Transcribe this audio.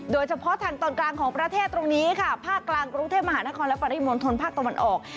โดยเฉพาะทางตอนกลางของประเทศตรงนี้ค่ะภาคกลางกรุงเทพมหานครและปริมณฑลภาคตะวันออก